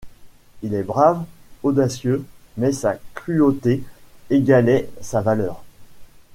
Il était brave, audacieux, mais sa cruauté égalait sa valeur.